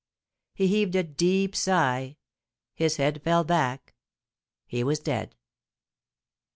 He heaved a deep sigh his head fell back he was dead.